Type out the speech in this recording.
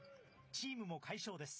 チームも快勝です。